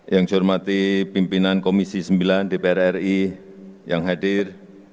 yang saya hormati pimpinan komisi sembilan dpr ri yang hadir